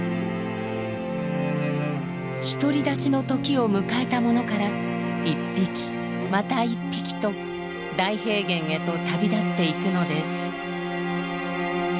独り立ちの時を迎えたものから１匹また１匹と大平原へと旅立っていくのです。